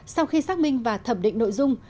sau khi xác minh và thẩm định nội dung